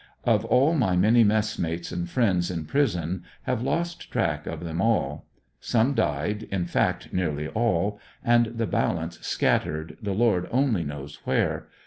Of all my many messmates and friends in prison, have lost track of them all; some died, in fact nearly all, and the balance scattered, the Lord only knows where.